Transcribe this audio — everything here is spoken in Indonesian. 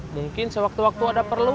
mungkin sewaktu waktu ada perlu